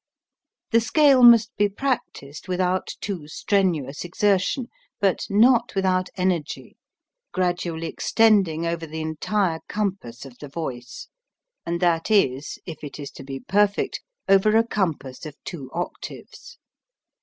The scale must be practised without too strenuous exertion, but not without energy, gradually extending over the entire compass of the voice; and that is, if it is to be per fect, over a compass of two octaves.